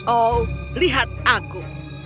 oh lihat aku